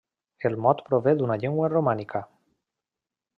El mot prové d'una llengua romànica.